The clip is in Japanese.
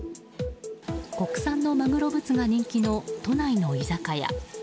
国産のまぐろぶつが人気の都内の居酒屋。